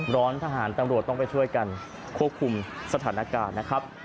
ร้อนทหารตำรวจต้องไปช่วยกันควบคุมสถานการณ์นะครับ